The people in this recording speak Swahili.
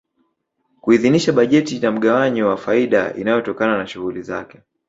Kuidhinisha bajeti na mgawanyo wa faida inayotokana na shughuli zake